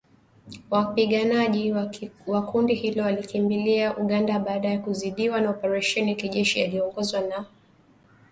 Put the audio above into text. Wapiganaji wa kundi hilo walikimbilia Uganda baada ya kuzidiwa na oparesheni ya kijeshi yaliyoongozwa na wanajeshi wa Kongo na Afrika kusini